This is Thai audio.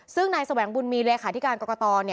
ซึ่งนายแสวงบุญมีวยาขาวที่การกรกฎร